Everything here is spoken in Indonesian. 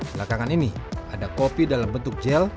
belakangan ini ada kopi dalam bentuk gel